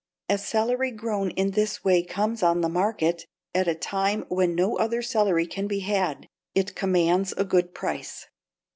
As celery grown in this way comes on the market at a time when no other celery can be had, it commands a good price.